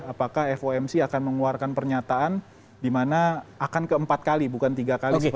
apakah fomc akan mengeluarkan pernyataan dimana akan ke empat kali bukan tiga kali